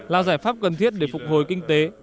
là giải pháp cần thiết để phục hồi kinh tế